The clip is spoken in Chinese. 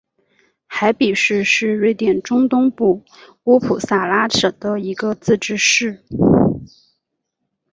海比市是瑞典中东部乌普萨拉省的一个自治市。